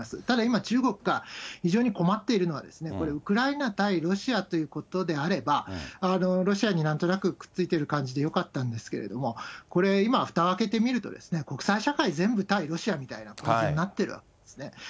ただ、今、中国が非常に困っているのは、これ、ウクライナ対ロシアということであれば、ロシアになんとなくくっついてる感じでよかったんですけど、これ、今、ふたを開けてみると、国際社会全部対ロシアみたいな感じになってるわけですね。